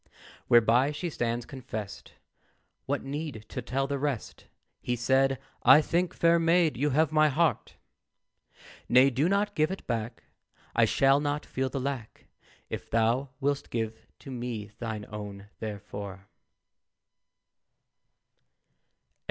Whereby she stands confest; What need to tell the rest? He said, "I think, fair maid, you have my heart. "Nay, do not give it back, I shall not feel the lack, If thou wilt give to me thine own therefor."